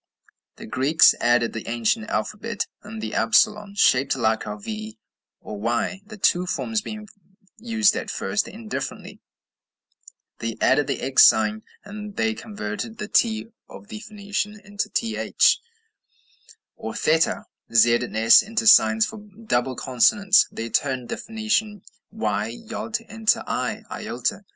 The Greeks added to the ancient alphabet the upsilon, shaped like our V or Y, the two forms being used at first indifferently: they added the X sign; they converted the t of the Phoenicians into th, or theta; z and s into signs for double consonants; they turned the Phoenician y (yod) into i (iota).